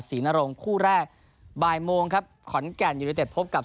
นรงคู่แรกบ่ายโมงครับขอนแก่นยูนิเต็ดพบกับ